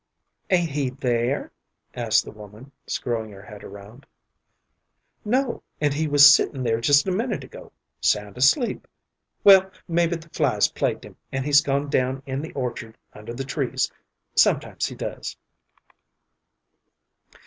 "Ain't he there?" asked the woman, screwing her head around. "No, and he was sittin' there just a minute ago, sound asleep. Well, mebbe the flies plagued him, and he's gone down in the orchard under the trees; sometimes he does."